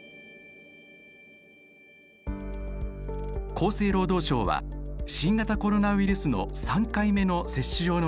厚生労働省は新型コロナウイルスの３回目の接種用のワクチンを承認。